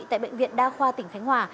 tại bệnh viện đa khoa tỉnh khánh hòa